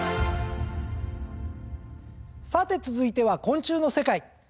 さて続いては昆虫の世界！